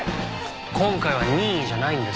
今回は任意じゃないんですわ。